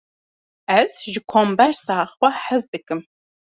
Ez ji kombersa xwe hez dikim.